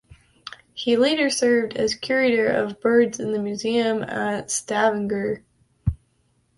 He later served as curator of birds in the museum at Stavanger.